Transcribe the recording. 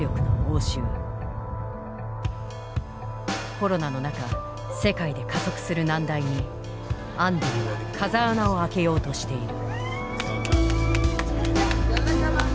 コロナの中世界で加速する難題にアンディは風穴を開けようとしている。